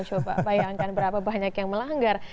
coba bayangkan berapa banyak yang melanggar